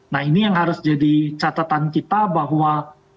nah ini yang harus jadi catatan kita bahwa